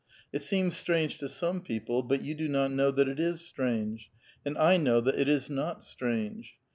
It seems strange to some people, but you do not know that it is strange, and I know that it is not strange.